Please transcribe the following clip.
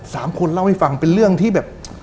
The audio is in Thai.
สามคนเล่าให้ฟังเป็นเรื่องที่แบบ